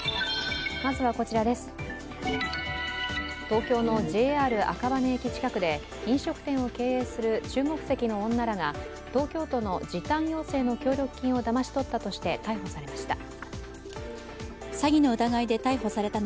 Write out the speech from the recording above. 東京のＪＲ赤羽駅近くで飲食店を経営する中国籍の女らが東京都の時短要請の協力金をだまし取ったとして逮捕されました。